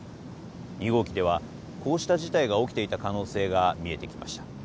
２号機ではこうした事態が起きていた可能性が見えてきました。